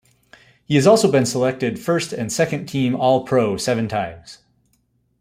He has also been selected First- and Second-Team All-Pro seven times.